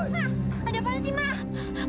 mak ada apaan sih mak